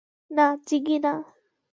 না, জিগি না।